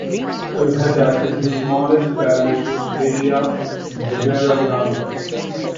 Calhetas is the smallest parish in area in Ribeira Grande.